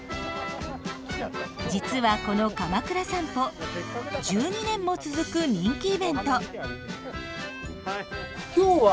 実はこのかまくら散歩１２年も続く人気イベント。